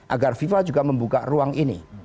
agar viva juga membuka ruang ini